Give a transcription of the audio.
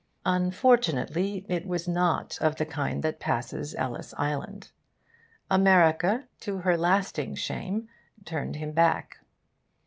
Unfortunately, it was not of the kind that passes Ellis Island. America, to her lasting shame, turned him back.